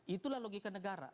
itulah logika negara